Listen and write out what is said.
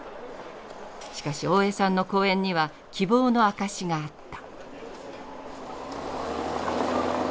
「しかし大江さんの講演には希望の証しがあった」。